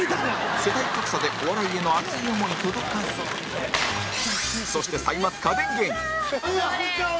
世代格差でお笑いへの熱い思い、届かずそして、歳末家電芸人すごい！